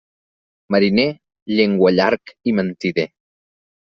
Mariner, llenguallarg i mentider.